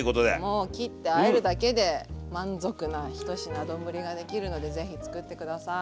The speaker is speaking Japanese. もう切ってあえるだけで満足な１品丼ができるのでぜひ作って下さい。